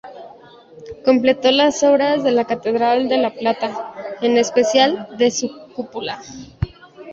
Completó las obras de la catedral de La Plata, en especial de su cúpula.